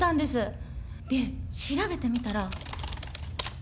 で調べてみたら。